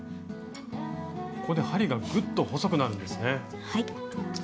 ここで針がぐっと細くなるんですね。